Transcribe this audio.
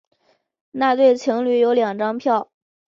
那对情侣有两张票